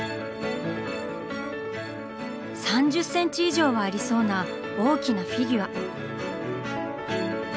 ３０センチ以上はありそうな大きなフィギュア。